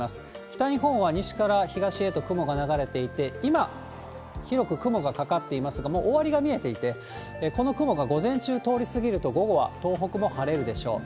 北日本は西から東へと雲が流れていて、今、広く雲がかかっていますが、もう終わりが見えていて、この雲が午前中通り過ぎると、午後は東北も晴れるでしょう。